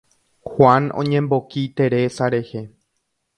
Juan oñemboki Teresa rehe.